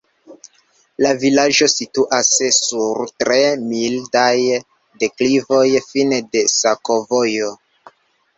La vilaĝo situas sur tre mildaj deklivoj, fine de sakovojo.